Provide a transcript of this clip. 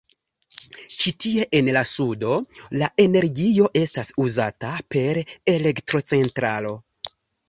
Ĉi tie en la sudo, la energio estas uzata per elektrocentralo.